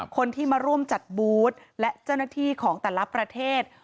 คนที่มาร่วมจัดบูธและเจ้าหน้าที่ของแต่ละประเทศ